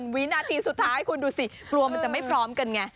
วินาทีสุดท้ายคุณดูสิกลัวมันจะไม่พร้อมกันไง